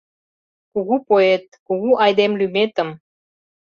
Кугу поэт, кугу айдем лӱметым